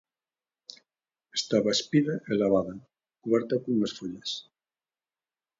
Estaba espida e lavada, cuberta cunhas follas.